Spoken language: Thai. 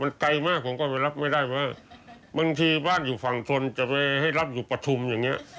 มันไกลมากผมก็ไปรับไม่ได้ว่าบางทีบ้านอยู่ฝั่งทนจะไปให้รับอยู่ปฐุมอย่างนี้